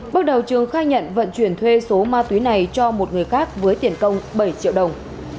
bước đầu trường khai nhận vận chuyển thuê số ma túy này cho một người khác với tiền công bảy triệu đồng